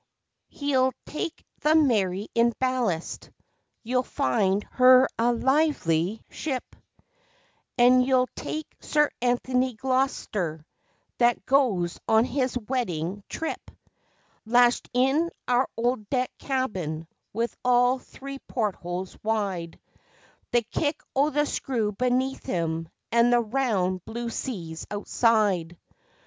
He'll take the Mary in ballast you'll find her a lively ship; And you'll take Sir Anthony Gloster, that goes on his wedding trip, Lashed in our old deck cabin with all three port holes wide, The kick o' the screw beneath him and the round blue seas outside!